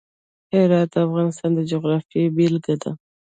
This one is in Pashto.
هرات د افغانستان د جغرافیې بېلګه ده.